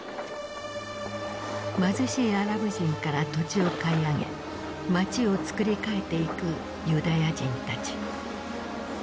貧しいアラブ人から土地を買い上げ町をつくり替えていくユダヤ人たち。